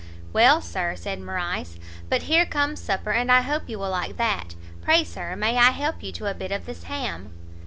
"Well, Sir," said Morrice, "but here comes supper, and I hope you will like that. Pray Sir, may I help you to a bit of this ham?"